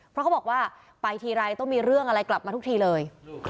เพราะเขาบอกว่าไปทีไรต้องมีเรื่องอะไรกลับมาทุกทีเลย